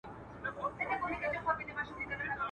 څه توره تېره وه، څه انا ورسته وه.